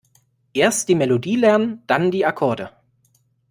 Erst die Melodie lernen, dann die Akkorde.